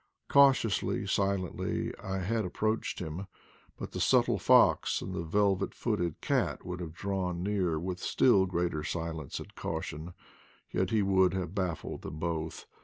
Cautiously, silently, I had approached him, but the subtle fox and the velvet footed cat would have drawn near with still greater silence and caution, yet he would have baffled them both.